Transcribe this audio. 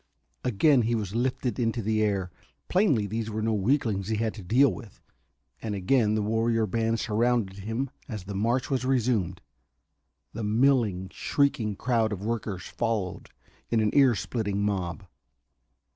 Again he was lifted into the air plainly these were no weaklings he had to deal with and again the warrior band surrounded him as the march was resumed. The milling, shrieking crowd of workers followed in an ear splitting mob.